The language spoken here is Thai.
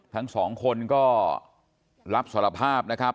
ทั้งสองคนก็รับสารภาพนะครับ